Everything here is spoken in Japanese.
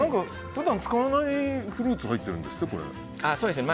普段使わないフルーツ入っているんですよね。